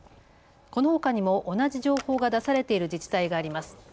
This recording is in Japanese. このほかにも同じ情報が出されている自治体があります。